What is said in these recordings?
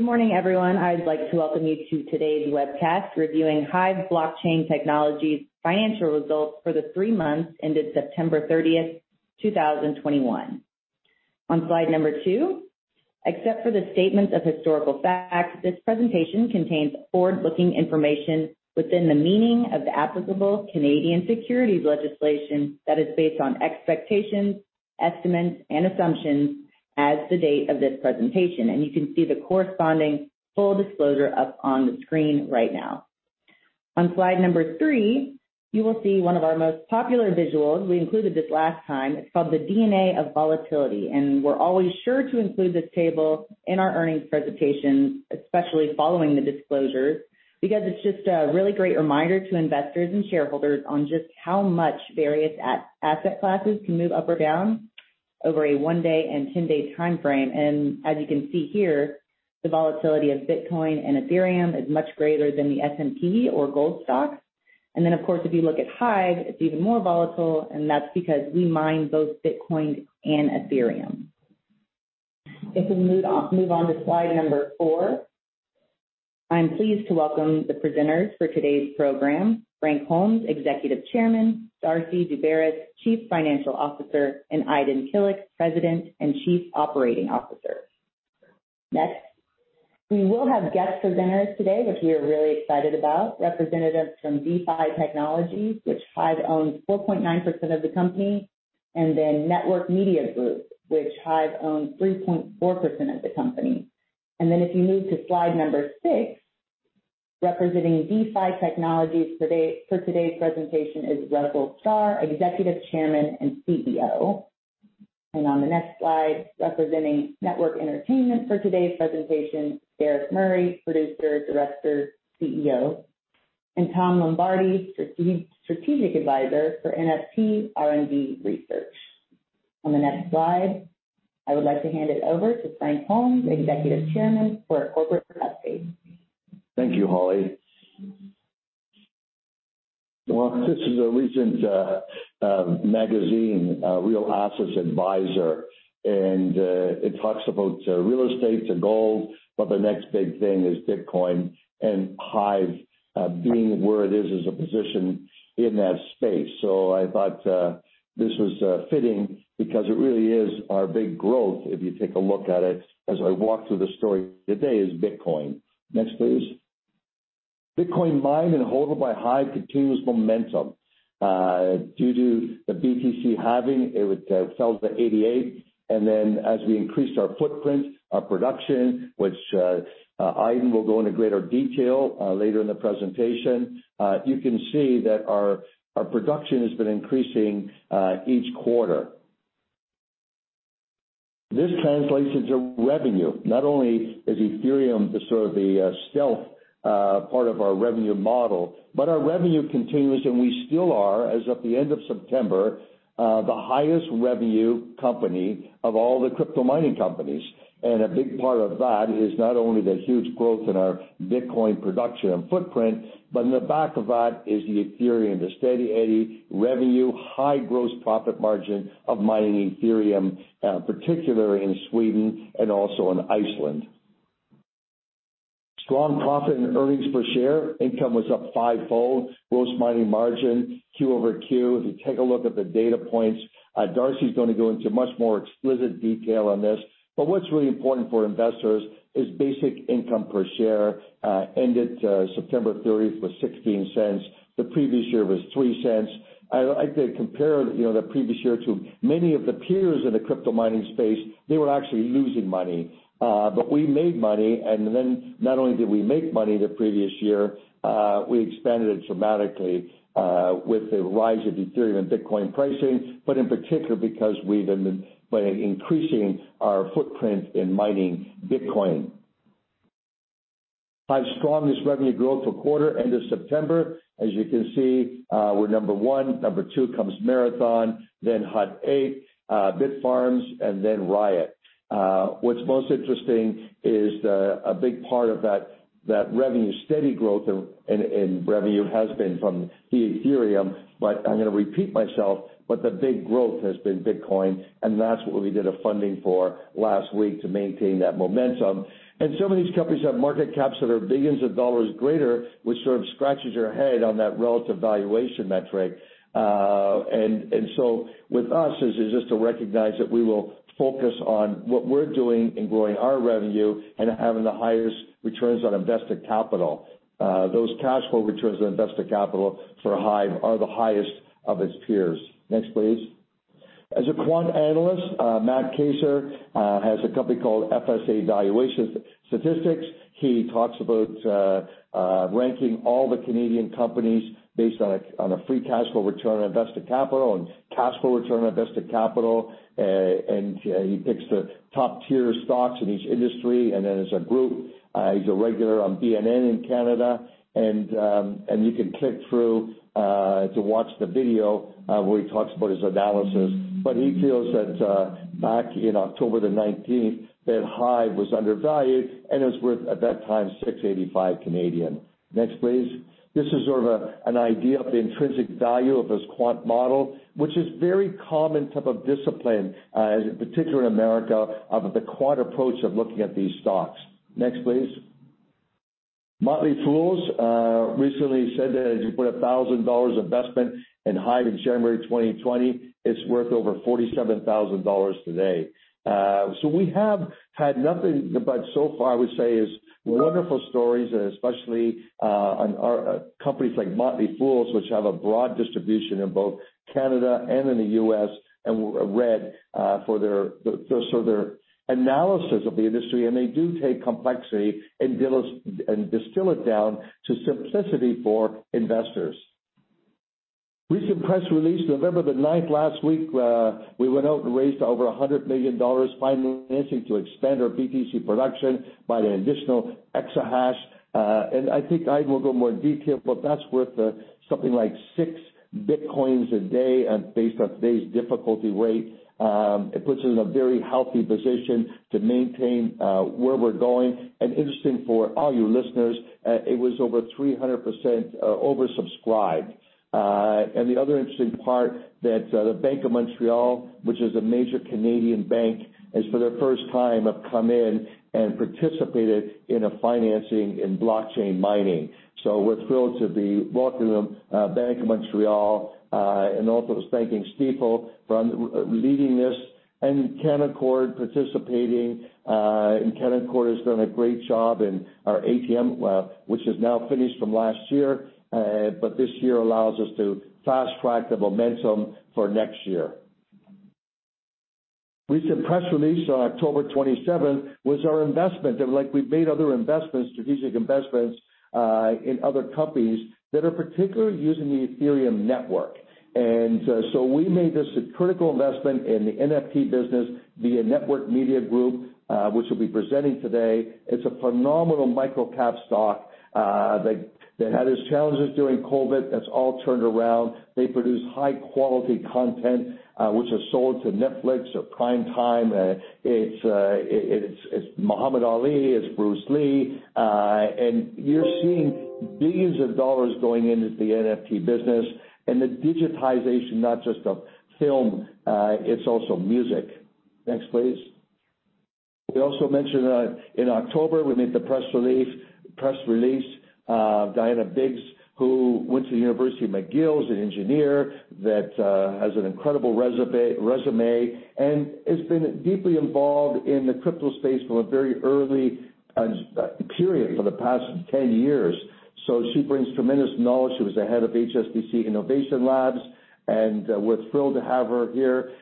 Good morning, everyone. I'd like to welcome you to today's webcast reviewing HIVE Digital Technologies' financial results for the three months ended September 30, 2021. On slide number 2, except for the statements of historical facts, this presentation contains forward-looking information within the meaning of the applicable Canadian securities legislation that is based on expectations, estimates, and assumptions as of the date of this presentation. You can see the corresponding full disclosure up on the screen right now. On slide number three, you will see one of our most popular visuals. We included this last time. It's called the DNA of Volatility, and we're always sure to include this table in our earnings presentation, especially following the disclosures, because it's just a really great reminder to investors and shareholders on just how much various asset classes can move up or down over a one day and ten day time frame. As you can see here, the volatility of Bitcoin and Ethereum is much greater than the S&P or gold stocks. Of course, if you look at HIVE, it's even more volatile, and that's because we mine both Bitcoin and Ethereum. If we move on to slide number four, I'm pleased to welcome the presenters for today's program. Frank Holmes, Executive Chairman, Darcy Daubaras, Chief Financial Officer, and Aydin Kilic, President and Chief Operating Officer. Next. We will have guest presenters today, which we are really excited about, representatives from DeFi Technologies, which HIVE owns 4.9% of the company, and then Network Media Group, which HIVE owns 3.4% of the company. If you move to slide number six, representing DeFi Technologies today, for today's presentation is Russell Starr, Executive Chairman and CEO. On the next slide, representing Network Entertainment for today's presentation, Derik Murray, Producer, Director, CEO, and Tom Lombardi, Strategic Advisor for NFT R&D Research. On the next slide, I would like to hand it over to Frank Holmes, Executive Chairman, for a corporate update. Thank you, Holly. Well, this is a recent magazine, Real Assets Adviser, and it talks about real estate and gold, but the next big thing is Bitcoin and HIVE, being where it is as a position in that space. I thought this was fitting because it really is our big growth, if you take a look at it as I walk through the story today is Bitcoin. Next, please. Bitcoin mined and held by HIVE continues momentum. Due to the BTC halving, it fell to 88. Then as we increased our footprint, our production, which Aydin will go into greater detail later in the presentation, you can see that our production has been increasing each quarter. This translates into revenue. Not only is Ethereum the sort of stealth part of our revenue model, but our revenue continues, and we still are, as of the end of September, the highest revenue company of all the crypto mining companies. A big part of that is not only the huge growth in our Bitcoin production and footprint, but in the back of that is the Ethereum, the steady eddy revenue, high gross profit margin of mining Ethereum, particularly in Sweden and also in Iceland. Strong profit and earnings per share. Income was up five-fold. Gross mining margin, Q-over-Q. If you take a look at the data points, Darcy's gonna go into much more explicit detail on this. What's really important for investors is basic income per share ended September 30 was 0.16. The previous year was 0.03. I like to compare, you know, the previous year to many of the peers in the crypto mining space, they were actually losing money. We made money, and then not only did we make money the previous year, we expanded it dramatically, with the rise of Ethereum and Bitcoin pricing, but in particular because we've been increasing our footprint in mining Bitcoin. HIVE's strongest revenue growth for quarter end of September. As you can see, we're number one. Number two comes Marathon, then Hut 8, Bitfarms, and then Riot. What's most interesting is, a big part of that revenue steady growth in revenue has been from the Ethereum, but I'm gonna repeat myself, but the big growth has been Bitcoin, and that's what we did a funding for last week to maintain that momentum. Some of these companies have market caps that are billions of dollars greater, which sort of scratches your head on that relative valuation metric. With us, this is just to recognize that we will focus on what we're doing in growing our revenue and having the highest returns on invested capital. Those cash flow returns on invested capital for HIVE are the highest of its peers. Next, please. As a Quant Analyst, Matt Kasur has a company called FSA Valuation Statistics. He talks about ranking all the Canadian companies based on a free cash flow return on invested capital and cash flow return on invested capital. He picks the top-tier stocks in each industry and then as a group. He's a regular on BNN Bloomberg in Canada. You can click through to watch the video where he talks about his analysis. He feels that back in October the nineteenth, that HIVE was undervalued and was worth, at that time, 6.85. Next, please. This is sort of an idea of the intrinsic value of his quant model, which is very common type of discipline in particular in America, of the quant approach of looking at these stocks. Next, please. Motley Fool recently said that if you put 1,000 dollars investment in HIVE in January 2020, it's worth over 47,000 dollars today. We have had nothing but so far, I would say, wonderful stories, and especially on our companies like The Motley Fool, which have a broad distribution in both Canada and in the U.S., and we're read for their analysis of the industry, and they do take complexity and distill it down to simplicity for investors. Recent press release, November 9 last week, we went out and raised over 100 million dollars financing to expand our BTC production by an additional exahash. I think Ayd will go more in detail, but that's worth something like six Bitcoins a day and based on today's difficulty rate, it puts us in a very healthy position to maintain where we're going. Interesting for all you listeners, it was over 300% oversubscribed. The other interesting part that the Bank of Montreal, which is a major Canadian bank, has for their first time, have come in and participated in a financing in blockchain mining. We're thrilled to be welcoming them, Bank of Montreal, and also thanking Stifel for leading this and Canaccord participating, and Canaccord has done a great job in our ATM, which is now finished from last year, but this year allows us to fast-track the momentum for next year. Recent press release on October 27 was our investment. Like we've made other investments, strategic investments, in other companies that are particularly using the Ethereum network. We made this a critical investment in the NFT business via Network Media Group, which we'll be presenting today. It's a phenomenal micro-cap stock that had its challenges during COVID. That's all turned around. They produce high quality content which is sold to Netflix or Prime Time. It's Muhammad Ali. It's Bruce Lee. You're seeing billions of dollars going into the NFT business and the digitization not just of film. It's also music. Next, please. We also mentioned that in October we made the press release. Diana Biggs, who went to McGill University, is an engineer that has an incredible resume and has been deeply involved in the crypto space from a very early period for the past 10 years. She brings tremendous knowledge. She was the head of HSBC Innovation Labs, and we're thrilled to have her here.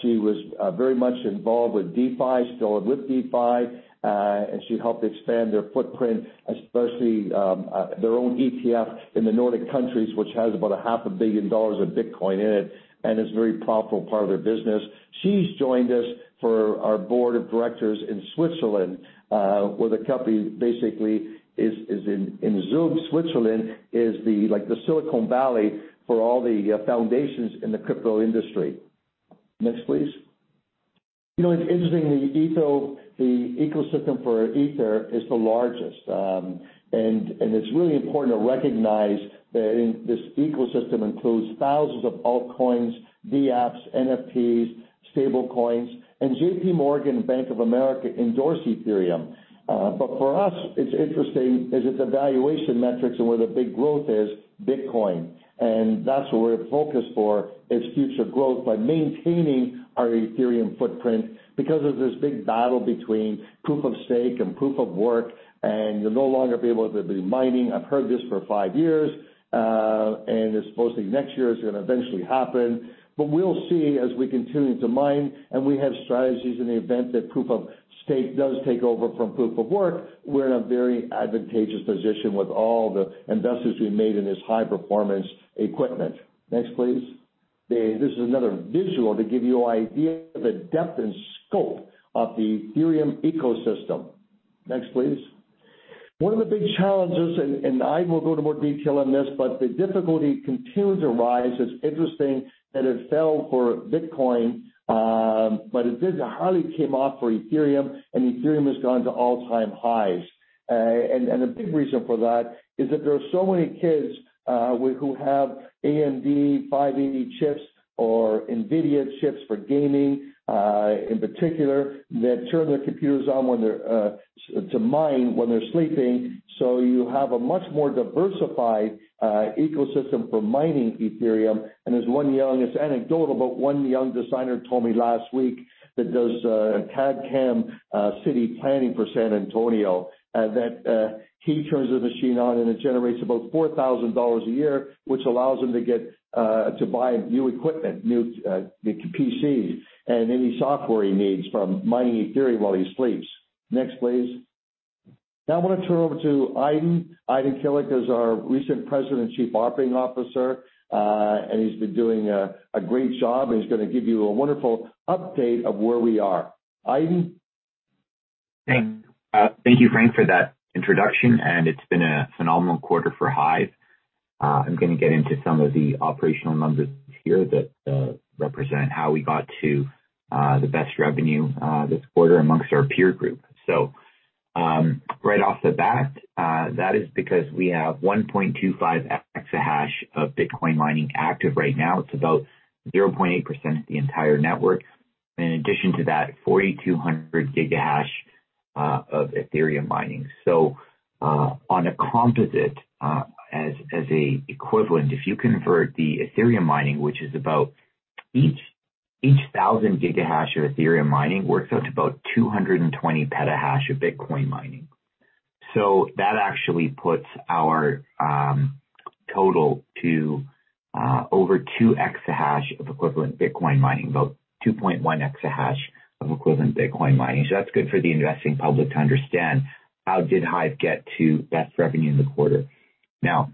She was very much involved with DeFi, still with DeFi, and she helped expand their footprint, especially their own ETF in the Nordic countries, which has about a half a billion dollars of Bitcoin in it and is a very profitable part of their business. She's joined us for our board of directors in Switzerland, where the company basically is in Zug, Switzerland, is like the Silicon Valley for all the foundations in the crypto industry. Next, please. You know, it's interesting, the ecosystem for Ethereum is the largest. It's really important to recognize that in this ecosystem includes thousands of all coins, the apps, NFTs, stable coins, and JPMorgan, Bank of America endorse Ethereum. For us, it's interesting is its valuation metrics and where the big growth is Bitcoin. That's what we're focused for, is future growth by maintaining our Ethereum footprint because of this big battle between Proof of Stake and Proof of Work, and you'll no longer be able to be mining. I've heard this for five years, and it's supposed to be next year it's gonna eventually happen. We'll see as we continue to mine and we have strategies in the event that Proof of Stake does take over from Proof of Work. We're in a very advantageous position with all the investments we made in this high-performance equipment. Next, please. This is another visual to give you an idea of the depth and scope of the Ethereum ecosystem. Next, please. One of the big challenges, and Ayd will go into more detail on this, but the difficulty continues to rise. It's interesting that it fell for Bitcoin, but it did, it hardly came off for Ethereum, and Ethereum has gone to all-time highs. A big reason for that is that there are so many kids who have AMD 580 chips or Nvidia chips for gaming, in particular, that turn their computers on to mine when they're sleeping. You have a much more diversified ecosystem for mining Ethereum. There's one young, it's anecdotal, but one young designer told me last week that does CAD/CAM city planning for San Antonio that he turns the machine on and it generates about $4,000 a year, which allows him to get to buy new equipment, new PCs and any software he needs from mining Ethereum while he sleeps. Next, please. Now I wanna turn over to Aydin. Aydin Kilic is our recent President and Chief Operating Officer, and he's been doing a great job, and he's gonna give you a wonderful update of where we are. Aydin? Thank you, Frank, for that introduction, and it's been a phenomenal quarter for HIVE. I'm gonna get into some of the operational numbers here that represent how we got to the best revenue this quarter amongst our peer group. Right off the bat, that is because we have 1.25 exahash of Bitcoin mining active right now. It's about 0.8% of the entire network. In addition to that, 4,200 Gigahash of Ethereum mining. On a composite, as an equivalent, if you convert the Ethereum mining, which is about each 1,000 Gigahash of Ethereum mining works out to about 220 Petahash of Bitcoin mining. That actually puts our total to over two exahash of equivalent Bitcoin mining, about 2.1 exahash of equivalent Bitcoin mining. That's good for the investing public to understand how did HIVE get to that revenue in the quarter. Now,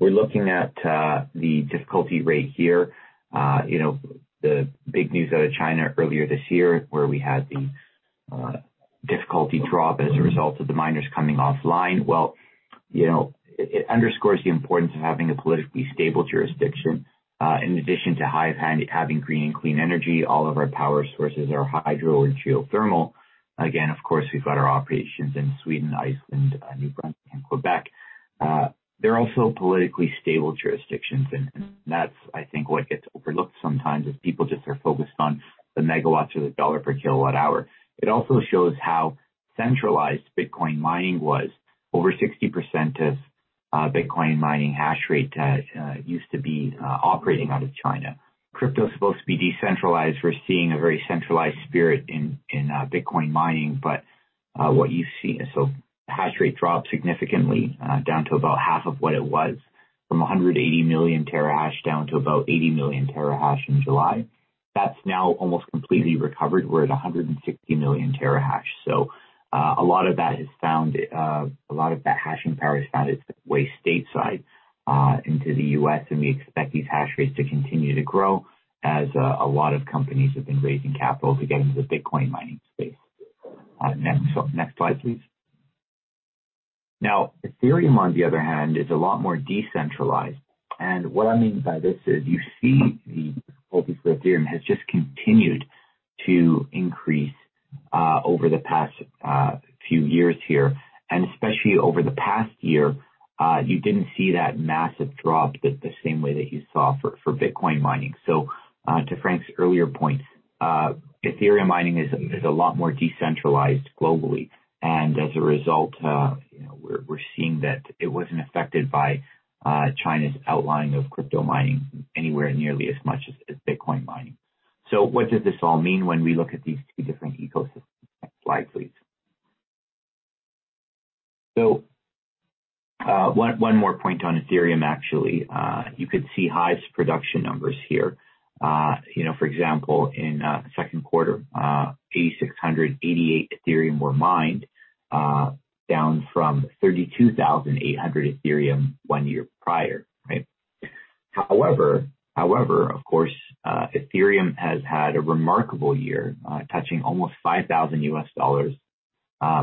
we're looking at the difficulty rate here. You know, the big news out of China earlier this year, where we had the difficulty drop as a result of the miners coming offline. Well, you know, it underscores the importance of having a politically stable jurisdiction in addition to HIVE having green and clean energy. All of our power sources are hydro and geothermal. Again, of course, we've got our operations in Sweden, Iceland, New Brunswick, and Quebec. They're also politically stable jurisdictions, and that's, I think, what gets overlooked sometimes as people just are focused on the MW or the $ per kW hour. It also shows how centralized Bitcoin mining was. Over 60% of Bitcoin mining hash rate used to be operating out of China. Crypto is supposed to be decentralized. We're seeing a very centralized spirit in Bitcoin mining. What you see hash rate dropped significantly down to about half of what it was from 180 million Terahash down to about 80 million Terahash in July. That's now almost completely recovered. We're at 160 million Terahash. A lot of that hashing power has found its way stateside, into the U.S., and we expect these hash rates to continue to grow as a lot of companies have been raising capital to get into the Bitcoin mining space. Next slide, please. Now, Ethereum, on the other hand, is a lot more decentralized. What I mean by this is you see the difficulty for Ethereum has just continued to increase over the past few years here, and especially over the past year, you didn't see that massive drop the same way that you saw for Bitcoin mining. To Frank's earlier point, Ethereum mining is a lot more decentralized globally. As a result, you know, we're seeing that it wasn't affected by China's outlawing of crypto mining anywhere nearly as much as Bitcoin mining. What does this all mean when we look at these two different ecosystems? Next slide, please. One more point on Ethereum, actually. You could see HIVE's production numbers here. For example, in second quarter, 8,688 Ethereum were mined, down from 32,800 Ethereum one year prior, right? However, of course, Ethereum has had a remarkable year, touching almost $5,000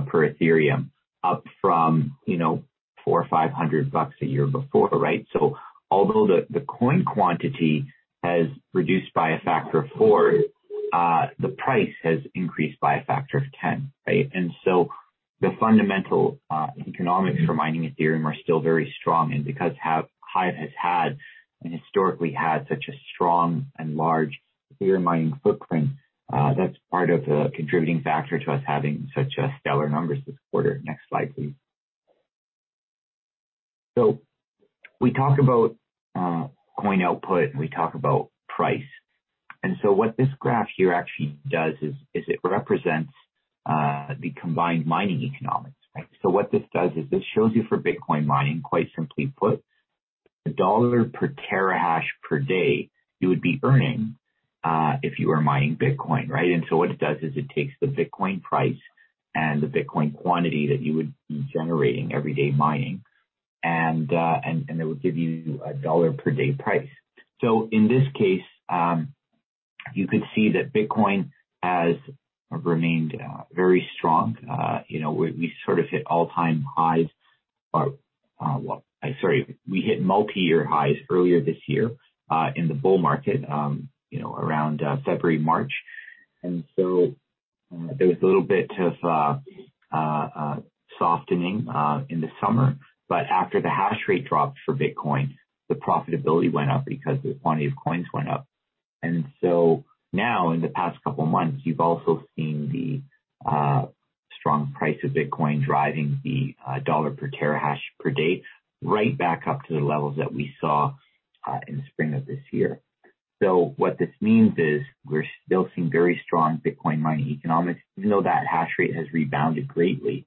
per Ethereum, up from four or five hundred bucks a year before, right? Although the coin quantity has reduced by a factor of four, the price has increased by a factor of ten, right? The fundamental economics for mining Ethereum are still very strong. Because HIVE has had and historically had such a strong and large Ethereum mining footprint, that's part of the contributing factor to us having such stellar numbers this quarter. Next slide, please. We talk about coin output, and we talk about price. What this graph here actually does is it represents the combined mining economics, right? What this does is this shows you for Bitcoin mining, quite simply put, CAD 1 per Terahash per day you would be earning if you were mining Bitcoin, right? What it does is it takes the Bitcoin price and the Bitcoin quantity that you would be generating every day mining, and it would give you a dollar per day price. In this case, you could see that Bitcoin has remained very strong. You know, we sort of hit all-time highs. Well, sorry. We hit multi-year highs earlier this year in the bull market, you know, around February, March. There was a little bit of softening in the summer. After the hash rate dropped for Bitcoin, the profitability went up because the quantity of coins went up. Now in the past couple of months, you've also seen the strong price of Bitcoin driving the $ per Terahash per day right back up to the levels that we saw in spring of this year. What this means is we're still seeing very strong Bitcoin mining economics, even though that hash rate has rebounded greatly,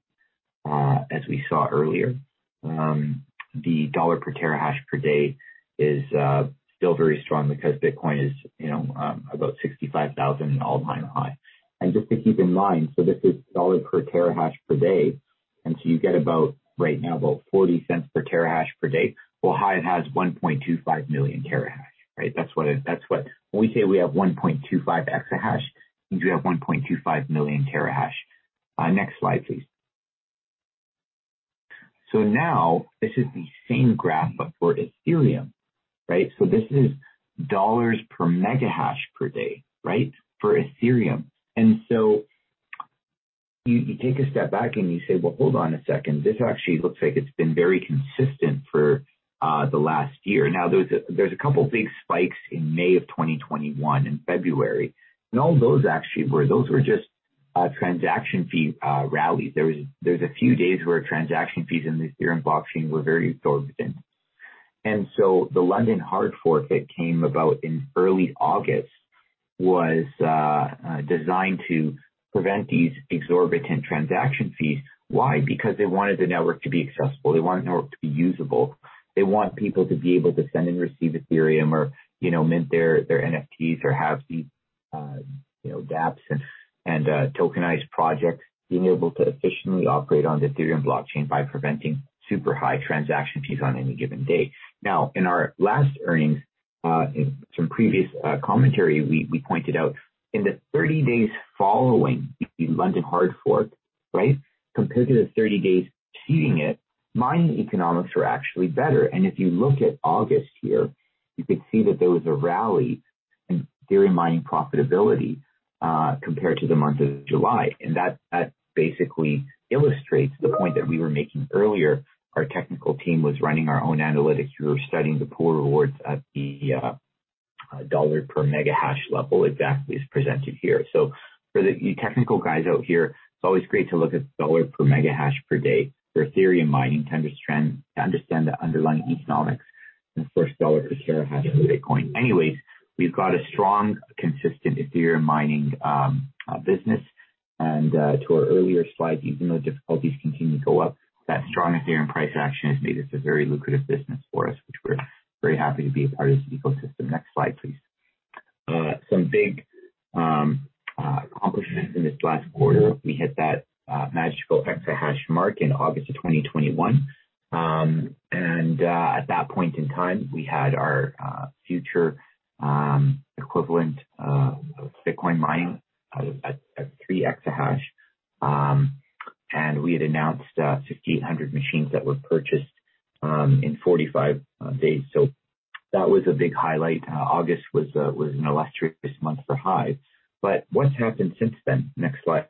as we saw earlier. The dollar per Terahash per day is still very strong because Bitcoin is, you know, about $65,000, an all-time high. Just to keep in mind, this is dollar per Terahash per day, and you get about right now, about 40 cents per Terahash per day. Well, HIVE has 1.25 million Terahash, right? That's what. When we say we have 1.25 exahash, it means we have 1.25 million Terahash. Next slide, please. Now this is the same graph but for Ethereum, right? This is dollars per megahash per day, right, for Ethereum. You take a step back and you say, "Well, hold on a second. This actually looks like it's been very consistent for the last year." Now, there's a couple big spikes in May of 2021 and February. And all those actually were just transaction fee rallies. There's a few days where transaction fees in the Ethereum blockchain were very exorbitant. The London hard fork that came about in early August was designed to prevent these exorbitant transaction fees. Why? Because they wanted the network to be accessible. They want the network to be usable. They want people to be able to send and receive Ethereum or, you know, mint their NFTs or have these, you know, dapps and tokenized projects being able to efficiently operate on the Ethereum blockchain by preventing super high transaction fees on any given day. Now, in our last earnings, in some previous commentary, we pointed out in the 30 days following the London hard fork, right, compared to the 30 days preceding it, mining economics were actually better. If you look at August here, you could see that there was a rally in Ethereum mining profitability, compared to the month of July. That basically illustrates the point that we were making earlier. Our technical team was running our own analytics. We were studying the pool rewards at the $ per megahash level, exactly as presented here. For the technical guys out here, it's always great to look at dollar per megahash per day for Ethereum mining to understand the underlying economics and for dollar per Terahash per day coin. Anyways, we've got a strong, consistent Ethereum mining business. To our earlier slide, even though difficulties continue to go up, that strong Ethereum price action has made this a very lucrative business for us, which we're very happy to be a part of this ecosystem. Next slide, please. Some big accomplishments in this last quarter. We hit that magical exahash mark in August of 2021. At that point in time, we had our future equivalent of Bitcoin mining at three exahash. We had announced 1,500 machines that were purchased in 45 days. That was a big highlight. August was an illustrious month for HIVE. What's happened since then? Next slide.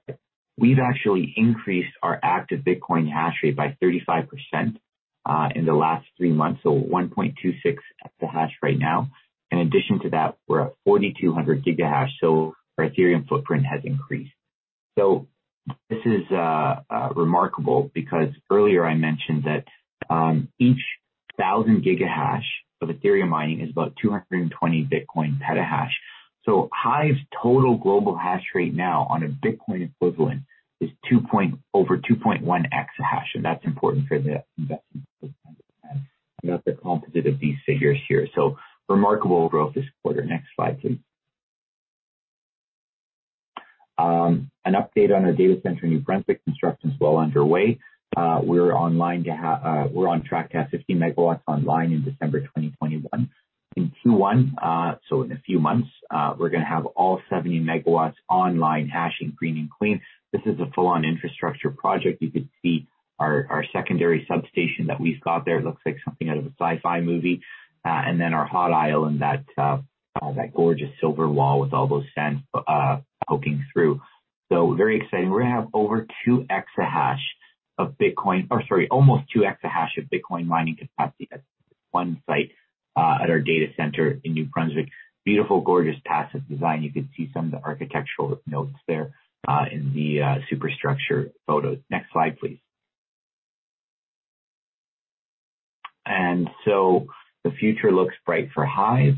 We've actually increased our active Bitcoin hash rate by 35% in the last three months, so 1.26 exahash right now. In addition to that, we're at 4,200 Gigahash, so our Ethereum footprint has increased. This is remarkable because earlier I mentioned that each 1,000 Gigahash of Ethereum mining is about 220 Bitcoin Petahash. HIVE's total global hash rate now on a Bitcoin equivalent is over 2.1 exahash, and that's important for the investment and that's the composite of these figures here. Remarkable growth this quarter. Next slide, please. An update on our data center in New Brunswick. Construction's well underway. We're on track to have 50 MW online in December 2021. In Q1, so in a few months, we're gonna have all 70 MW online hashing green and clean. This is a full-on infrastructure project. You could see our secondary substation that we've got there. It looks like something out of a sci-fi movie. And then our hot aisle and that gorgeous silver wall with all those fans poking through. Very exciting. We're gonna have over two exahash of Bitcoin. Or sorry, almost two exahash of Bitcoin mining capacity at one site, at our data center in New Brunswick. Beautiful, gorgeous passive design. You can see some of the architectural notes there, in the superstructure photos. Next slide, please. The future looks bright for HIVE.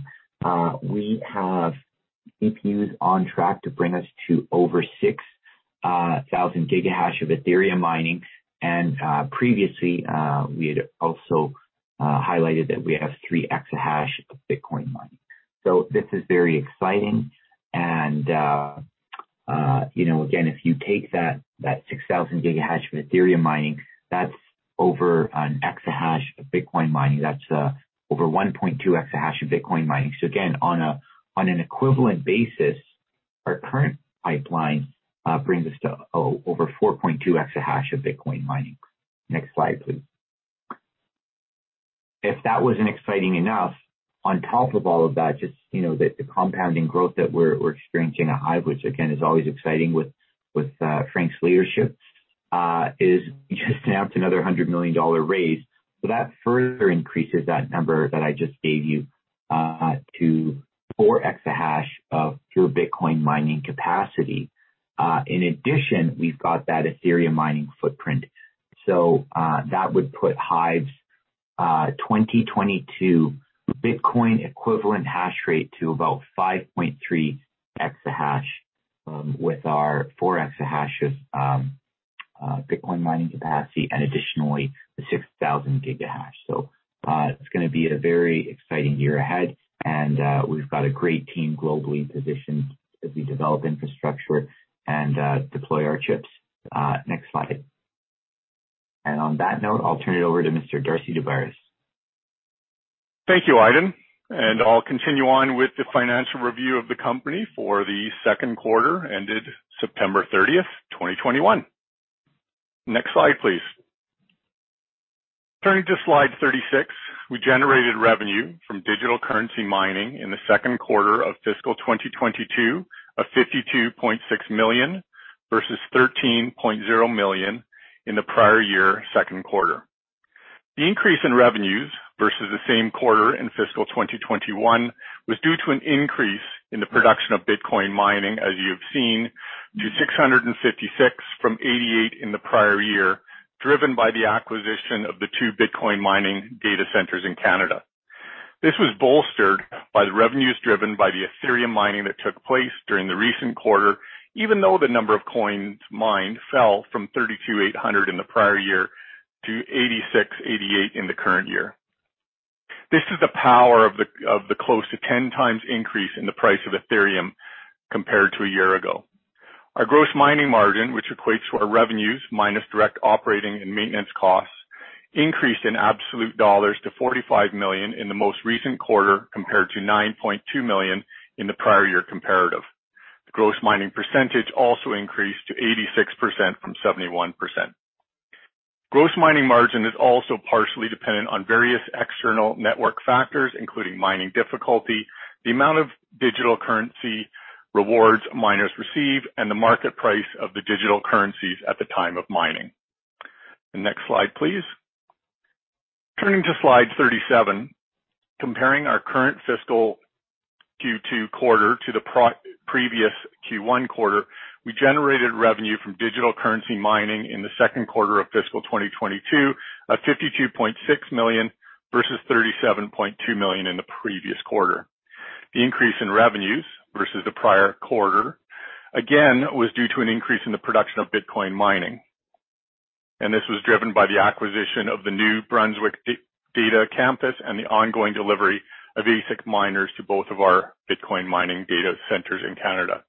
We have GPUs on track to bring us to over 6,000 Gigahash of Ethereum mining. Previously, we had also highlighted that we have three exahash of Bitcoin mining. This is very exciting. You know, again, if you take that 6,000 Gigahash of Ethereum mining, that's over an exahash of Bitcoin mining. That's over 1.2 exahash of Bitcoin mining. Again, on an equivalent basis, our current pipeline brings us to over 4.2 exahash of Bitcoin mining. Next slide, please. If that wasn't exciting enough, on top of all of that, just, you know, the compounding growth that we're experiencing at HIVE, which again is always exciting with Frank's leadership, is we just announced another $100 million raise. That further increases that number that I just gave you to four exahash of pure Bitcoin mining capacity. In addition, we've got that Ethereum mining footprint. That would put HIVE's 2022 Bitcoin equivalent hash rate to about 5.3 exahash, with our four exahash of Bitcoin mining capacity and additionally the 6,000 Gigahash. It's gonna be a very exciting year ahead, and we've got a great team globally positioned as we develop infrastructure and deploy our chips. Next slide. On that note, I'll turn it over to Mr. Darcy Daubaras. Thank you, Aydin, and I'll continue on with the financial review of the company for the second quarter ended September 30, 2021. Next slide, please. Turning to slide 36. We generated revenue from digital currency mining in the second quarter of fiscal 2022 of 52.6 million versus 13.0 million in the prior year second quarter. The increase in revenues versus the same quarter in fiscal 2021 was due to an increase in the production of Bitcoin mining, as you have seen, to 656 from 88 in the prior year, driven by the acquisition of the two Bitcoin mining data centers in Canada. This was bolstered by the revenues driven by the Ethereum mining that took place during the recent quarter, even though the number of coins mined fell from 3,280 in the prior year to 8,688 in the current year. This is the power of the close to 10 times increase in the price of Ethereum compared to a year ago. Our gross mining margin, which equates to our revenues minus direct operating and maintenance costs, increased in absolute dollars to $45 million in the most recent quarter, compared to $9.2 million in the prior year comparative. The gross mining percentage also increased to 86% from 71%. Gross mining margin is also partially dependent on various external network factors, including mining difficulty, the amount of digital currency rewards miners receive, and the market price of the digital currencies at the time of mining. The next slide, please. Turning to slide 37. Comparing our current fiscal Q2 quarter to the previous Q1 quarter, we generated revenue from digital currency mining in the second quarter of fiscal 2022 of 52.6 million versus 37.2 million in the previous quarter. The increase in revenues versus the prior quarter, again, was due to an increase in the production of Bitcoin mining. This was driven by the acquisition of the New Brunswick Data Campus and the ongoing delivery of ASIC miners to both of our Bitcoin mining data centers in Canada.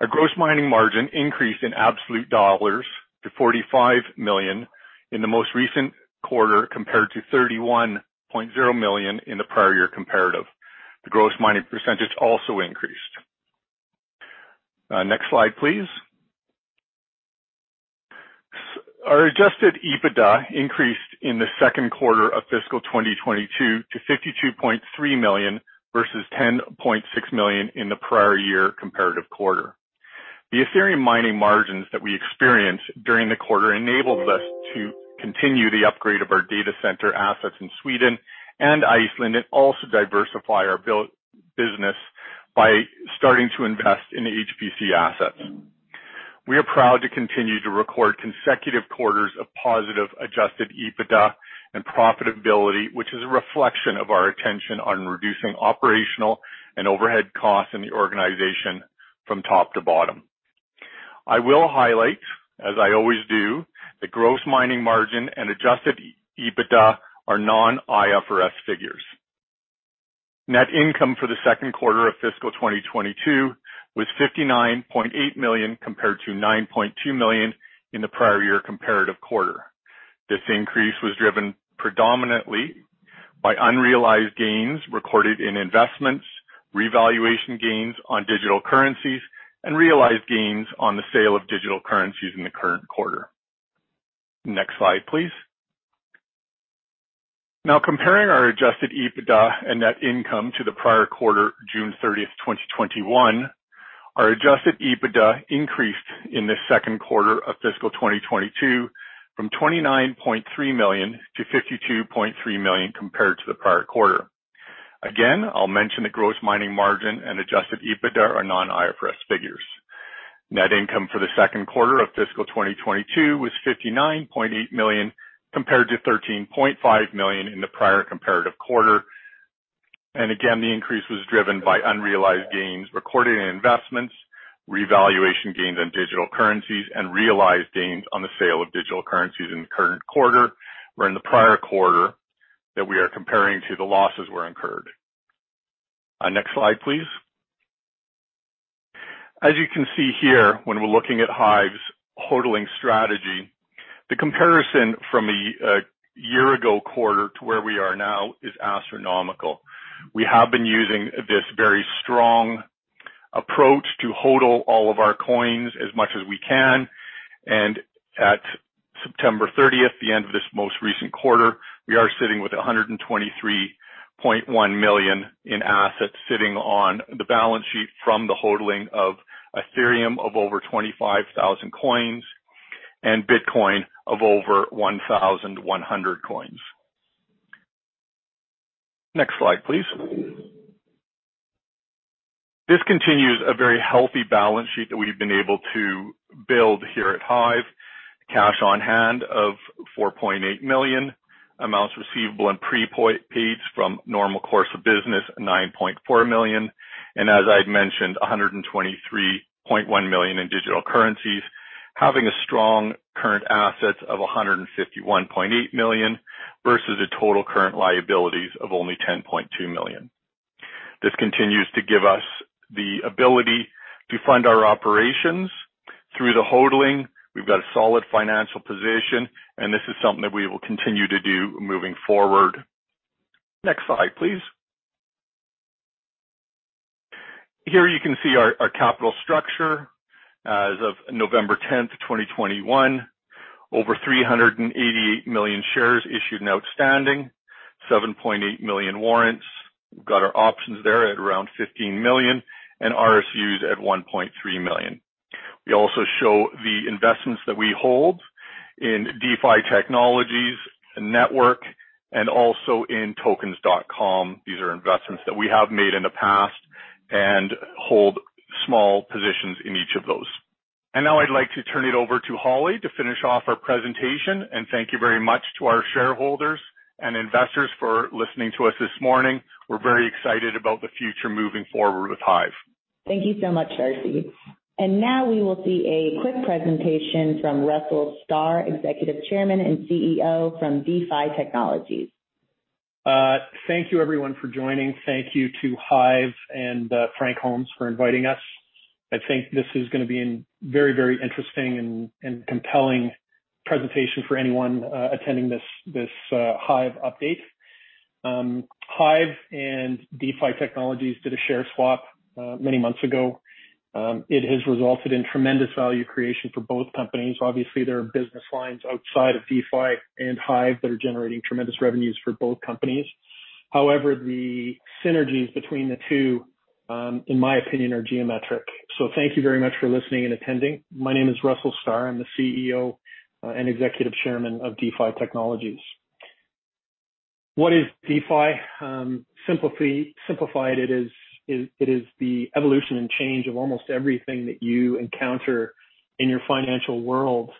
Our gross mining margin increased in absolute dollars to 45 million in the most recent quarter, compared to 31.0 million in the prior year comparative. The gross mining percentage also increased. Next slide, please. Our adjusted EBITDA increased in the second quarter of fiscal 2022 to 52.3 million versus 10.6 million in the prior year comparative quarter. The Ethereum mining margins that we experienced during the quarter enabled us to continue the upgrade of our data center assets in Sweden and Iceland, and also diversify our business by starting to invest in HPC assets. We are proud to continue to record consecutive quarters of positive adjusted EBITDA and profitability, which is a reflection of our attention on reducing operational and overhead costs in the organization from top to bottom. I will highlight, as I always do, the gross mining margin and adjusted EBITDA are non-IFRS figures. Net income for the second quarter of fiscal 2022 was 59.8 million, compared to 9.2 million in the prior year comparative quarter. This increase was driven predominantly by unrealized gains recorded in investments, revaluation gains on digital currencies, and realized gains on the sale of digital currencies in the current quarter. Next slide, please. Now comparing our adjusted EBITDA and net income to the prior quarter, June 30, 2021, our adjusted EBITDA increased in the second quarter of fiscal 2022 from 29.3 million-52.3 million compared to the prior quarter. Again, I'll mention the gross mining margin and adjusted EBITDA are non-IFRS figures. Net income for the second quarter of fiscal 2022 was 59.8 million, compared to 13.5 million in the prior comparative quarter. Again, the increase was driven by unrealized gains recorded in investments, revaluation gains on digital currencies, and realized gains on the sale of digital currencies in the current quarter, where in the prior quarter that we are comparing to the losses were incurred. Next slide, please. As you can see here, when we're looking at HIVE's holding strategy, the comparison from a year ago quarter to where we are now is astronomical. We have been using this very strong approach to HODL all of our coins as much as we can. At September thirtieth, the end of this most recent quarter, we are sitting with 123.1 million in assets sitting on the balance sheet from the holding of Ethereum of over 25,000 coins and Bitcoin of over 1,100 coins. Next slide, please. This continues a very healthy balance sheet that we've been able to build here at HIVE. Cash on hand of 4.8 million. Amounts receivable and prepaid from normal course of business, 9.4 million. As I'd mentioned, 123.1 million in digital currencies, having a strong current assets of 151.8 million versus the total current liabilities of only 10.2 million. This continues to give us the ability to fund our operations. Through the holding, we've got a solid financial position, and this is something that we will continue to do moving forward. Next slide, please. Here you can see our capital structure. As of November 10, 2021, over 388 million shares issued and outstanding. 7.8 million warrants. We've got our options there at around 15 million, and RSUs at 1.3 million. We also show the investments that we hold in DeFi Technologies network and also in Tokens.com. These are investments that we have made in the past and hold small positions in each of those. Now I'd like to turn it over to Holly to finish off our presentation. Thank you very much to our shareholders and investors for listening to us this morning. We're very excited about the future moving forward with HIVE. Thank you so much, Darcy. Now we will see a quick presentation from Russell Starr, Executive Chairman and CEO from DeFi Technologies. Thank you everyone for joining. Thank you to HIVE and Frank Holmes for inviting us. I think this is gonna be a very, very interesting and compelling presentation for anyone attending this HIVE update. HIVE and DeFi Technologies did a share swap many months ago. It has resulted in tremendous value creation for both companies. Obviously, there are business lines outside of DeFi and HIVE that are generating tremendous revenues for both companies. However, the synergies between the two, in my opinion, are geometric. Thank you very much for listening and attending. My name is Russell Starr. I'm the CEO and Executive Chairman of DeFi Technologies. What is DeFi? Simplified, it is the evolution and change of almost everything that you encounter in your financial world.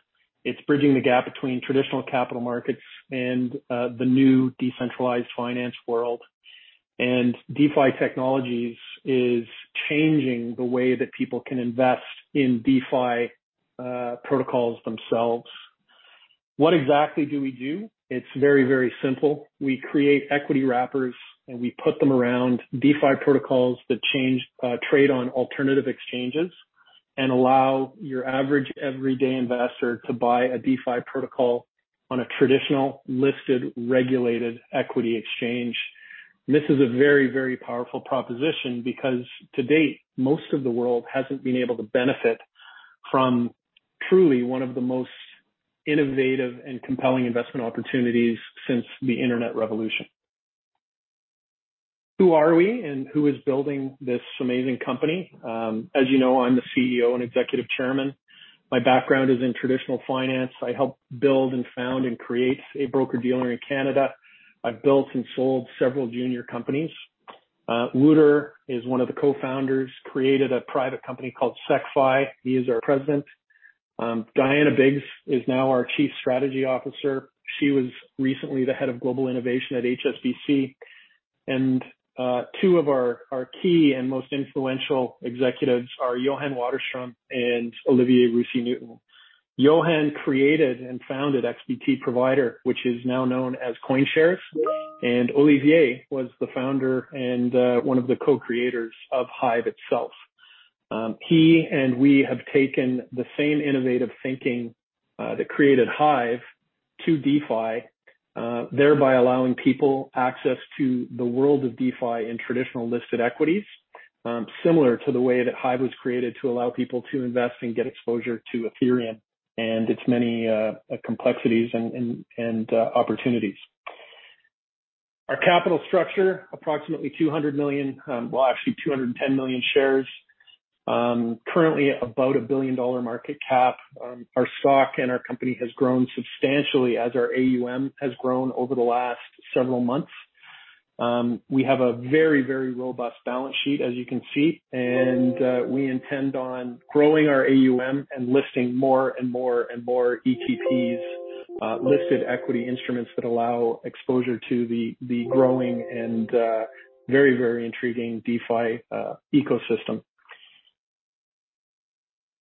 It's bridging the gap between traditional capital markets and the new decentralized finance world. DeFi Technologies is changing the way that people can invest in DeFi protocols themselves. What exactly do we do? It's very, very simple. We create equity wrappers, and we put them around DeFi protocols that can trade on alternative exchanges and allow your average everyday investor to buy a DeFi protocol on a traditional, listed, regulated equity exchange. This is a very, very powerful proposition because to date, most of the world hasn't been able to benefit from truly one of the most innovative and compelling investment opportunities since the internet revolution. Who are we and who is building this amazing company? As you know, I'm the CEO and Executive Chairman. My background is in traditional finance. I helped build and found and create a broker-dealer in Canada. I've built and sold several junior companies. Wouter is one of the co-founders, created a private company called SecFi. He is our president. Diana Biggs is now our Chief Strategy Officer. She was recently the head of Global Innovation at HSBC. Two of our key and most influential executives are Johan Wattenström and Olivier Roussy Newton. Johan created and founded XBT Provider, which is now known as CoinShares. Olivier was the founder and one of the co-creators of HIVE itself. He and we have taken the same innovative thinking that created HIVE to DeFi, thereby allowing people access to the world of DeFi in traditional listed equities, similar to the way that HIVE was created to allow people to invest and get exposure to Ethereum and its many complexities and opportunities. Our capital structure, approximately 200 million, well, actually 210 million shares. Currently about a billion-dollar market cap. Our stock and our company has grown substantially as our AUM has grown over the last several months. We have a very, very robust balance sheet, as you can see, and we intend on growing our AUM and listing more and more and more ETPs, listed equity instruments that allow exposure to the growing and very, very intriguing DeFi ecosystem.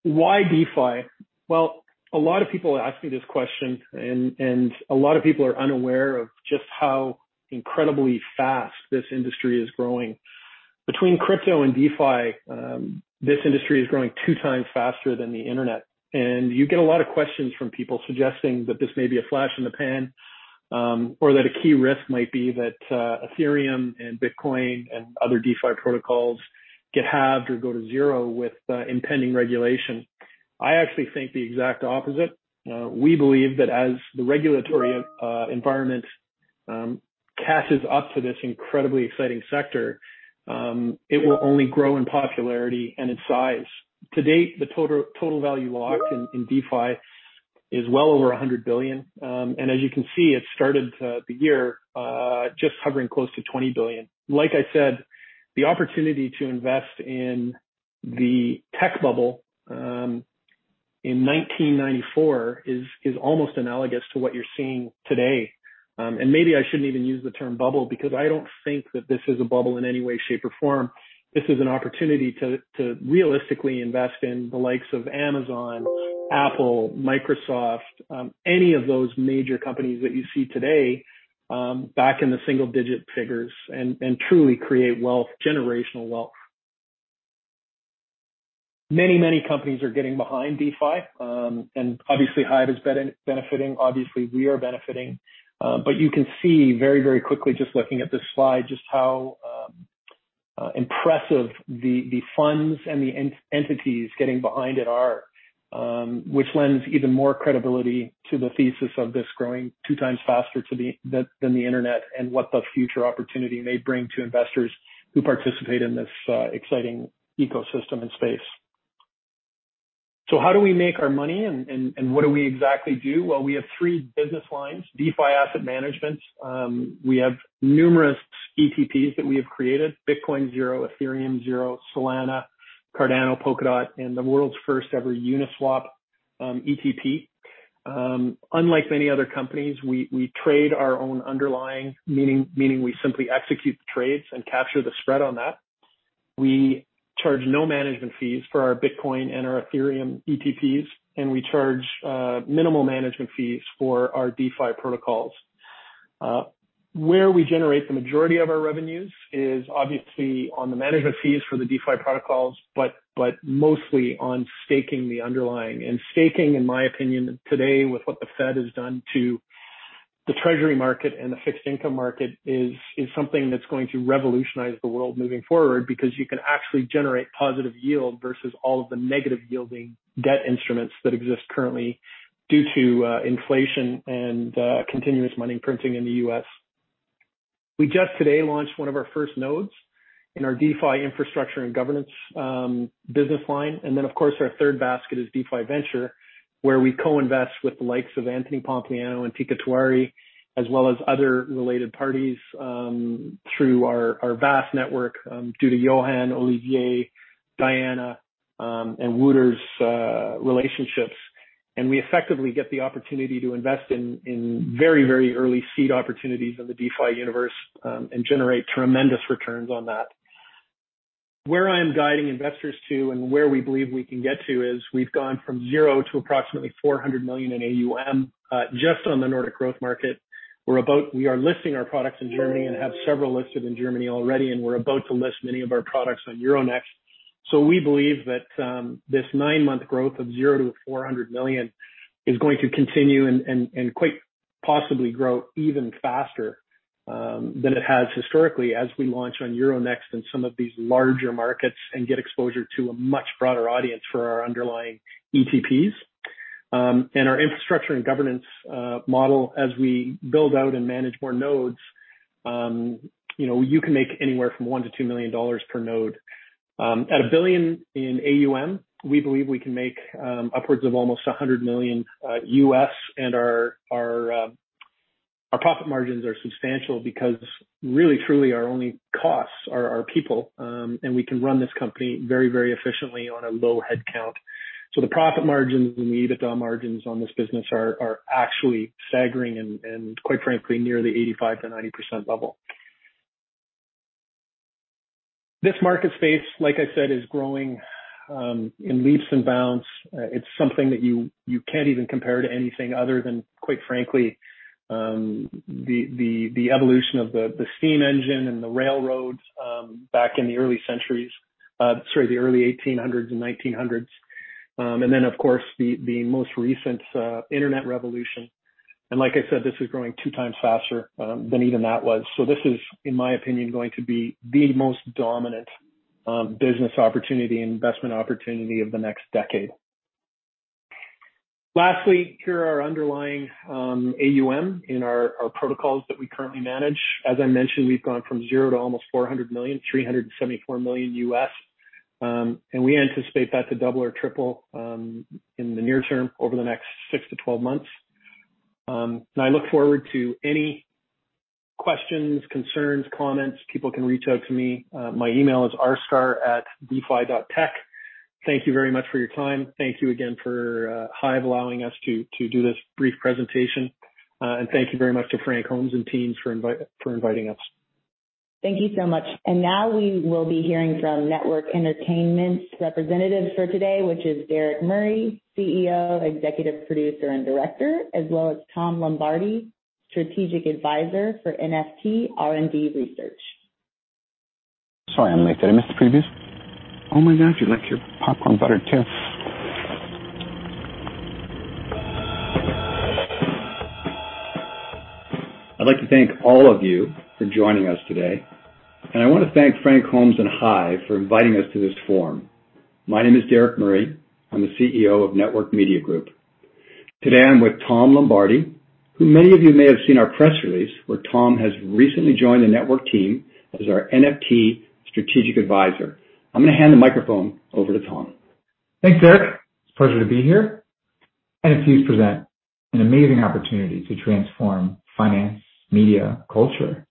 Why DeFi? Well, a lot of people ask me this question, and a lot of people are unaware of just how incredibly fast this industry is growing. Between crypto and DeFi, this industry is growing two times faster than the Internet. You get a lot of questions from people suggesting that this may be a flash in the pan, or that a key risk might be that Ethereum and Bitcoin and other DeFi protocols get halved or go to zero with impending regulation. I actually think the exact opposite. We believe that as the regulatory environment catches up to this incredibly exciting sector, it will only grow in popularity and in size. To date, the total value locked in DeFi is well over $100 billion. As you can see, it started the year just hovering close to $20 billion. Like I said, the opportunity to invest in the tech bubble in 1994 is almost analogous to what you're seeing today. Maybe I shouldn't even use the term bubble because I don't think that this is a bubble in any way, shape, or form. This is an opportunity to realistically invest in the likes of Amazon, Apple, Microsoft, any of those major companies that you see today, back in the single-digit figures and truly create wealth, generational wealth. Many, many companies are getting behind DeFi, and obviously HIVE is benefiting. Obviously we are benefiting. But you can see very, very quickly just looking at this slide, just how impressive the funds and the entities getting behind it are, which lends even more credibility to the thesis of this growing two times faster than the Internet and what the future opportunity may bring to investors who participate in this exciting ecosystem and space. How do we make our money and what do we exactly do? We have three business lines, DeFi asset management. We have numerous ETPs that we have created. Bitcoin Zero, Ethereum Zero, Solana, Cardano, Polkadot, and the world's first ever Uniswap ETP. Unlike many other companies, we trade our own underlying, meaning we simply execute the trades and capture the spread on that. We charge no management fees for our Bitcoin and our Ethereum ETPs, and we charge minimal management fees for our DeFi protocols. Where we generate the majority of our revenues is obviously on the management fees for the DeFi protocols, but mostly on staking the underlying. Staking, in my opinion, today with what the Fed has done to the treasury market and the fixed income market is something that's going to revolutionize the world moving forward because you can actually generate positive yield versus all of the negative yielding debt instruments that exist currently due to inflation and continuous money printing in the US. We just today launched one of our first nodes in our DeFi infrastructure and governance business line. Of course our third basket is DeFi Venture, where we co-invest with the likes of Anthony Pompliano and Teeka Tiwari, as well as other related parties through our vast network due to Johan, Olivier, Diana, and Wouter's relationships. We effectively get the opportunity to invest in very early seed opportunities in the DeFi universe and generate tremendous returns on that. Where I'm guiding investors to and where we believe we can get to is we've gone from zero to approximately 400 million in AUM just on the Nordic Growth Market. We are listing our products in Germany and have several listed in Germany already, and we're about to list many of our products on Euronext. We believe that this nine-month growth of zero to 400 million is going to continue and quite possibly grow even faster than it has historically as we launch on Euronext and some of these larger markets and get exposure to a much broader audience for our underlying ETPs. Our infrastructure and governance model as we build out and manage more nodes, you know, you can make anywhere from $1-$2 million per node. At $1 billion in AUM, we believe we can make upwards of almost $100 million US, and our profit margins are substantial because really truly our only costs are our people. We can run this company very, very efficiently on a low headcount. So the profit margins and the EBITDA margins on this business are actually staggering and quite frankly nearly 85%-90% level. This market space, like I said, is growing in leaps and bounds. It's something that you can't even compare to anything other than, quite frankly, the evolution of the steam engine and the railroads back in the early 1800s and 1900s. Then of course the most recent internet revolution. Like I said, this is growing 2 times faster than even that was. This is, in my opinion, going to be the most dominant business opportunity and investment opportunity of the next decade. Lastly, here are our underlying AUM in our protocols that we currently manage. As I mentioned, we've gone from zero to almost $400 million, $374 million US. We anticipate that to double or triple in the near term over the next 6-12 months. I look forward to any questions, concerns, comments. People can reach out to me. My email is rstar@defi.tech. Thank you very much for your time. Thank you again for HIVE allowing us to do this brief presentation. Thank you very much to Frank Holmes and team for inviting us. Thank you so much. Now we will be hearing from Network Entertainment's representatives for today, which is Derik Murray, CEO, Executive Producer, and Director, as well as Tom Lombardi, Strategic Advisor for NFT R&D Research. Sorry I'm late. Did I miss the previews? Oh, my gosh. You like your popcorn buttered too. I'd like to thank all of you for joining us today. I wanna thank Frank Holmes and HIVE for inviting us to this forum. My name is Derik Murray. I'm the CEO of Network Media Group. Today I'm with Tom Lombardi, who many of you may have seen our press release, where Tom has recently joined the Network team as our NFT strategic advisor. I'm gonna hand the microphone over to Tom. Thanks, Derik. It's a pleasure to be here. NFTs present an amazing opportunity to transform finance, media, culture.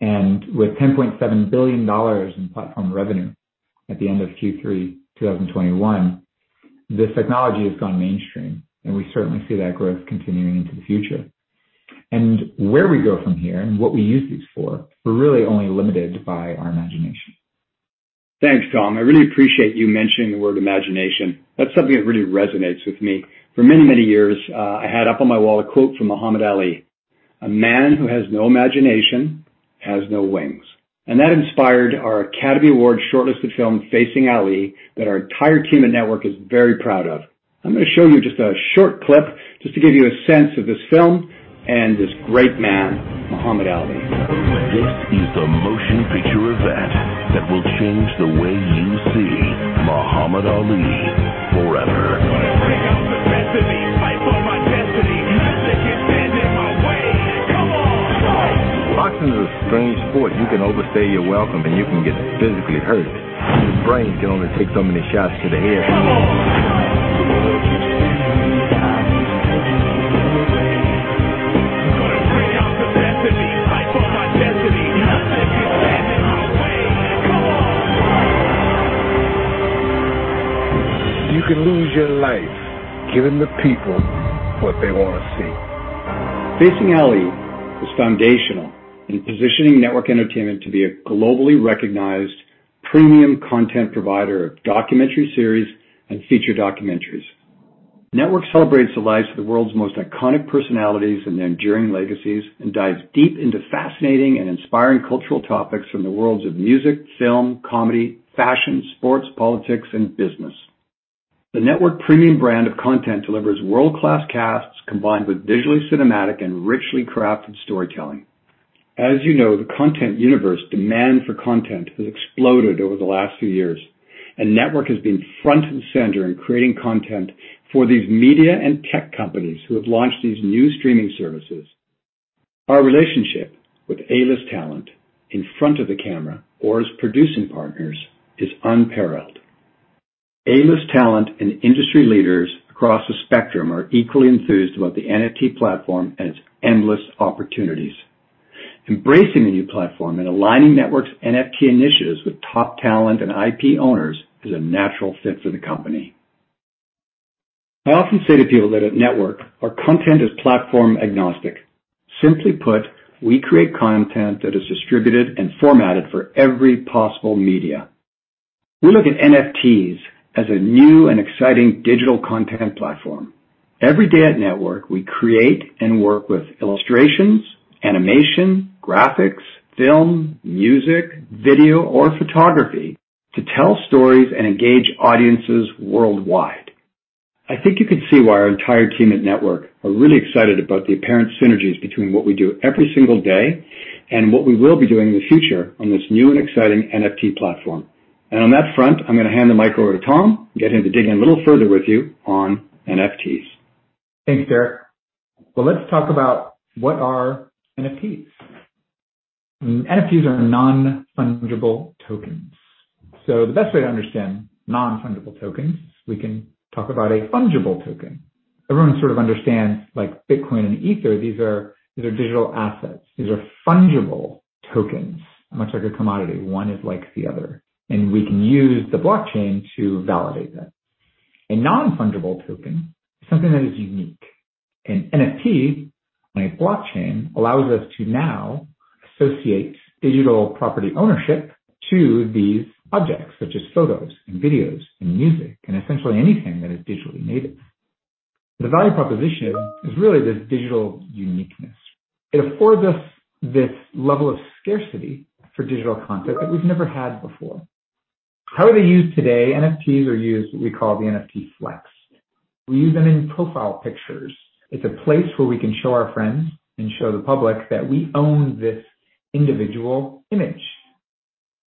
With $10.7 billion in platform revenue at the end of Q3 2021, this technology has gone mainstream, and we certainly see that growth continuing into the future. Where we go from here and what we use these for, we're really only limited by our imagination. Thanks, Tom. I really appreciate you mentioning the word imagination. That's something that really resonates with me. For many, many years, I had up on my wall a quote from Muhammad Ali. A man who has no imagination has no wings. That inspired our Academy Award shortlisted film, Facing Ali, that our entire team and Network is very proud of. I'm gonna show you just a short clip, just to give you a sense of this film and this great man, Muhammad Ali. This is the motion picture event that will change the way you see Muhammad Ali forever. I'm gonna bring out the best of me. Fight for my destiny. Nothing can stand in my way. Come on. Boxing is a strange sport. You can overstay your welcome, and you can get physically hurt. Your brain can only take so many shots to the head. Come on. I'm gonna bring out the best of me. Fight for my destiny. Nothing can stand in my way. Come on. You can lose your life giving the people what they wanna see. Facing Ali is foundational in positioning Network Entertainment to be a globally recognized premium content provider of documentary series and feature documentaries. Network celebrates the lives of the world's most iconic personalities and their enduring legacies, and dives deep into fascinating and inspiring cultural topics from the worlds of music, film, comedy, fashion, sports, politics, and business. The Network premium brand of content delivers world-class casts combined with visually cinematic and richly crafted storytelling. As you know, the content universe demand for content has exploded over the last few years, and Network has been front and center in creating content for these media and tech companies who have launched these new streaming services. Our relationship with A list talent in front of the camera or as producing partners is unparalleled. A list talent and industry leaders across the spectrum are equally enthused about the NFT platform and its endless opportunities. Embracing the new platform and aligning Network's NFT initiatives with top talent and IP owners is a natural fit for the company. I often say to people that at Network our content is platform agnostic. Simply put, we create content that is distributed and formatted for every possible media. We look at NFTs as a new and exciting digital content platform. Every day at Network, we create and work with illustrations, animation, graphics, film, music, video, or photography to tell stories and engage audiences worldwide. I think you can see why our entire team at Network are really excited about the apparent synergies between what we do every single day and what we will be doing in the future on this new and exciting NFT platform. On that front, I'm gonna hand the mic over to Tom, get him to dig in a little further with you on NFTs. Thanks, Derik. Let's talk about what are NFTs. NFTs are non-fungible tokens. The best way to understand non-fungible tokens, we can talk about a fungible token. Everyone sort of understands like Bitcoin and Ether. These are digital assets. These are fungible tokens, much like a commodity. One is like the other, and we can use the blockchain to validate that. A non-fungible token is something that is unique. An NFT on a blockchain allows us to now associate digital property ownership to these objects, such as photos and videos and music, and essentially anything that is digitally native. The value proposition is really this digital uniqueness. It affords us this level of scarcity for digital content that we've never had before. How are they used today? NFTs are used what we call the NFT flex. We use them in profile pictures. It's a place where we can show our friends and show the public that we own this individual image.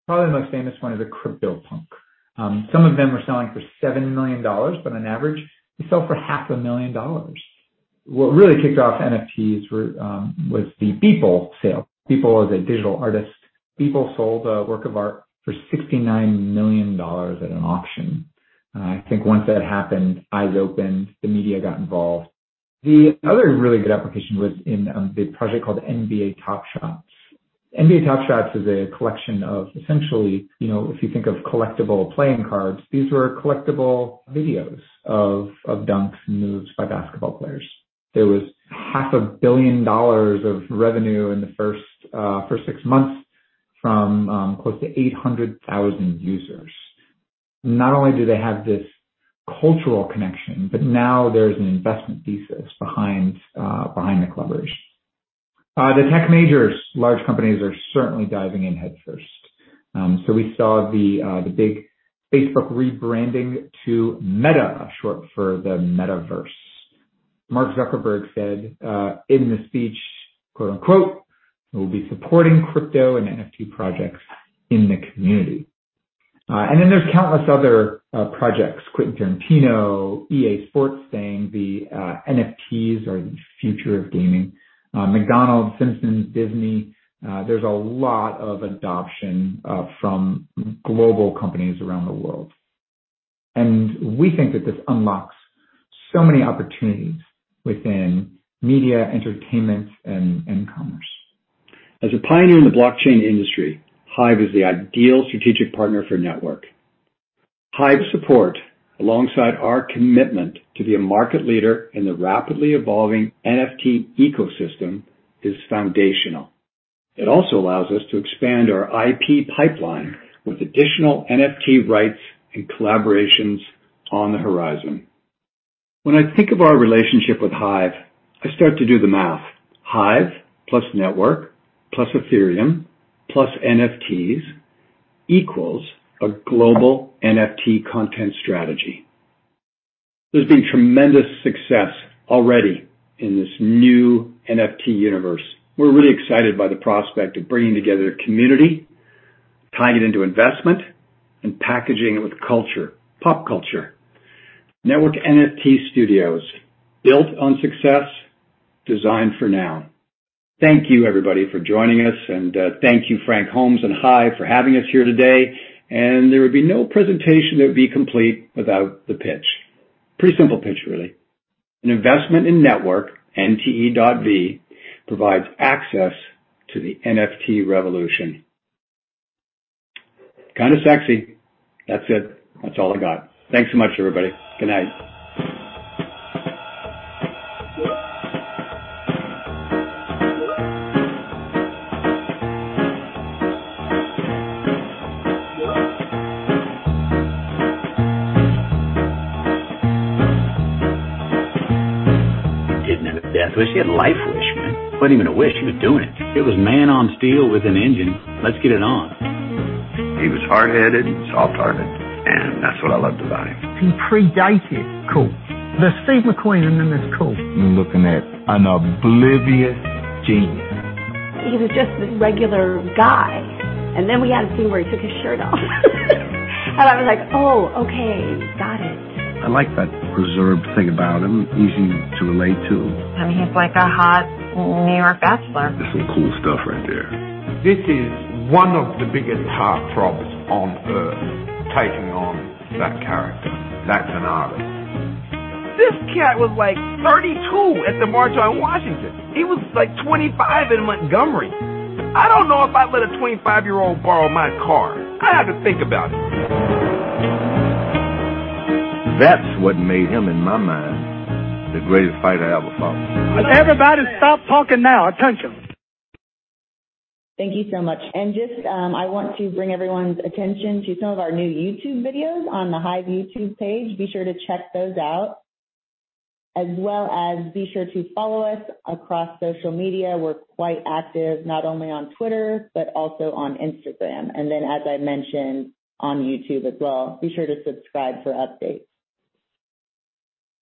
Probably the most famous one is a CryptoPunk. Some of them are selling for $7 million, but on average, they sell for half a million dollars. What really kicked off NFTs was the Beeple sale. Beeple is a digital artist. Beeple sold a work of art for $69 million at an auction. I think once that happened, eyes opened, the media got involved. The other really good application was in the project called NBA Top Shot. NBA Top Shot is a collection of essentially, you know, if you think of collectible playing cards, these were collectible videos of dunks and moves by basketball players. There was half a billion dollars of revenue in the first six months from close to 800,000 users. Not only do they have this cultural connection, but now there's an investment thesis behind the clubbers. The tech majors, large companies are certainly diving in headfirst. We saw the big Facebook rebranding to Meta, short for the Metaverse. Mark Zuckerberg said in the speech, quote-unquote, "We'll be supporting crypto and NFT projects in the community." Then there's countless other projects. Quentin Tarantino, EA Sports saying the NFTs are the future of gaming. McDonald's, Simpsons, Disney, there's a lot of adoption from global companies around the world. We think that this unlocks so many opportunities within media, entertainment, and commerce. As a pioneer in the blockchain industry, HIVE is the ideal strategic partner for Network. HIVE's support, alongside our commitment to be a market leader in the rapidly evolving NFT ecosystem, is foundational. It also allows us to expand our IP pipeline with additional NFT rights and collaborations on the horizon. When I think of our relationship with HIVE, I start to do the math. HIVE plus Network plus Ethereum plus NFTs equals a global NFT content strategy. There's been tremendous success already in this new NFT universe. We're really excited by the prospect of bringing together community, tying it into investment, and packaging it with culture, pop culture. Network NFT Studios, built on success, designed for now. Thank you everybody for joining us, and thank you Frank Holmes and HIVE for having us here today. There would be no presentation that would be complete without the pitch. Pretty simple pitch, really. An investment in Network, NTE.V, provides access to the NFT revolution. Kinda sexy. That's it. That's all I got. Thanks so much, everybody. Good night. He didn't have a death wish. He had a life wish, man. Wasn't even a wish, he was doing it. It was man on steel with an engine. Let's get it on. He was hard-headed, soft-hearted, and that's what I loved about him. He predated cool. There's Steve McQueen, and then there's cool. You're looking at an oblivious genius. He was just this regular guy, and then we had a scene where he took his shirt off. I was like, "Oh, okay, got it. I like that reserved thing about him. Easy to relate to. I mean, he's like a hot New York bachelor. There's some cool stuff right there. This is one of the biggest heartthrobs on Earth, taking on that character. That's an artist. This cat was, like, 32 at the March on Washington. He was, like, 25 in Montgomery. I don't know if I'd let a 25-year-old borrow my car. I'd have to think about it. That's what made him, in my mind, the greatest fighter I ever fought. Everybody stop talking now. Attention. Thank you so much. Just, I want to bring everyone's attention to some of our new YouTube videos on the HIVE YouTube page. Be sure to check those out, as well as be sure to follow us across social media. We're quite active, not only on Twitter, but also on Instagram. Then as I mentioned, on YouTube as well. Be sure to subscribe for updates.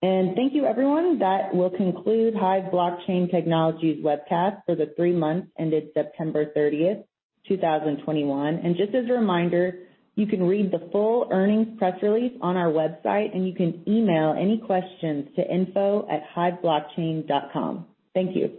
Thank you everyone. That will conclude HIVE Blockchain Technologies' webcast for the three months ended September 30, 2021. Just as a reminder, you can read the full earnings press release on our website, and you can email any questions to info@HIVEblockchain.com. Thank you.